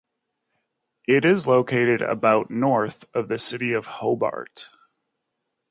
It is located about north of the city of Hobart.